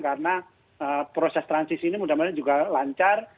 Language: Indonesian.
karena proses transisi ini mudah mudahan juga lancar